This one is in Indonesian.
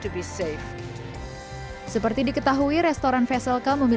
dan saya harap mereka bisa melakukannya dan mereka semua akan aman